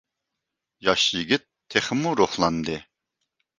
ياش يىگىت تېخىمۇ روھلاندى.